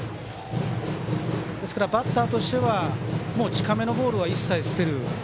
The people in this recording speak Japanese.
ですからバッターとしては近めのボールは一切捨てる。